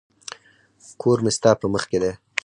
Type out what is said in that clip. کور مي ستا په مخ کي دی.